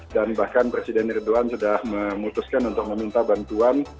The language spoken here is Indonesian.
dan bahkan presiden erdogan sudah memutuskan untuk meminta bantuan